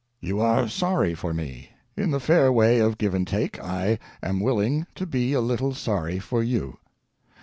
You are sorry for me; in the fair way of give and take, I am willing to be a little sorry for you.